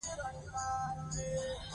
انګریزي لښکر ماتې خوري.